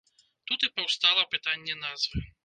Тут і паўстала пытанне назвы.